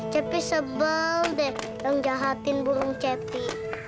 cepi sebel deh jangan jahatin burung cepi